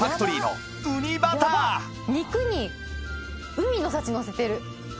肉に海の幸のせてる。